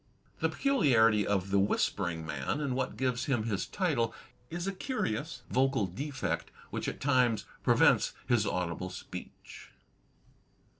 " The peculiarity of "The Whispering Man," and what gives him his title, is a curious vocal defect which at times prevents his audible speech.